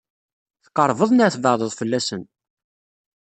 Tqeṛbeḍ neɣ tbeɛdeḍ fell-asen?